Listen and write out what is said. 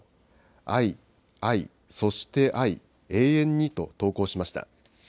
愛、愛、そして愛、永遠にと投稿しました。